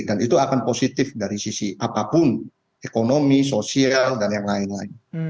dan itu akan positif dari sisi apapun ekonomi sosial dan yang lain lain